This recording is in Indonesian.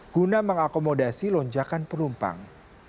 guna mengakomodasi lonjakan penumpang